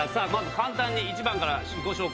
簡単に１番から。